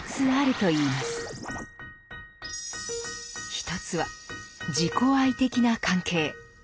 一つは自己愛的な関係。